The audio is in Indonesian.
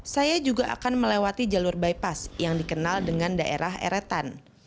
saya juga akan melewati jalur bypass yang dikenal dengan daerah eretan